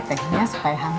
tegihnya supaya hangat